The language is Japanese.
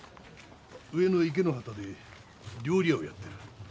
上野池之端で料理屋をやってる。